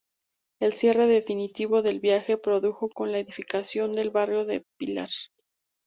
El cierre definitivo del viaje se produjo con la edificación del Barrio del Pilar.